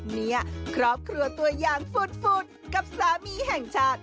เนี่ยครอบครัวตัวอย่างฝุดกับสามีแห่งชาติ